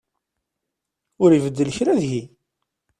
Ur ibeddel kra deg-i.